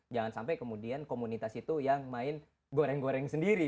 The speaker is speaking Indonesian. jangan sampai kemudian komunitas itu yang main goreng goreng sendiri